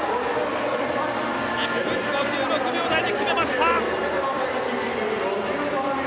１分５６秒台で決めました！